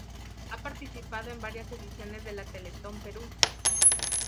Ha participado en varias ediciones de la Teletón Perú.